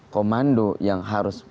komando yang harus